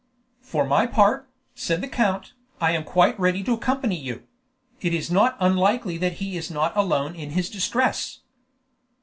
"For my part," said the count, "I am quite ready to accompany you; it is not unlikely that he is not alone in his distress."